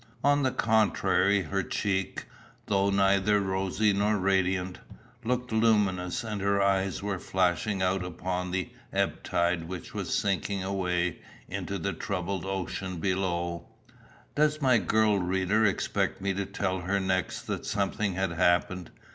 On the contrary, her cheek, though neither rosy nor radiant, looked luminous, and her eyes were flashing out upon the ebb tide which was sinking away into the troubled ocean beyond. Does my girl reader expect me to tell her next that something had happened?